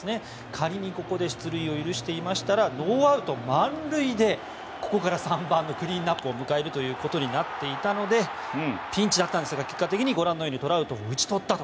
仮にここで出塁を許していましたらノーアウト満塁でここから３番のクリーンアップを迎えていたのでピンチだったんですが結果的にご覧のようにトラウトを打ち取ったと。